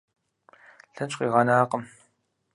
Лъэкӏ къигъэнакъым.